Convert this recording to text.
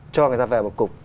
cho người ta về một cục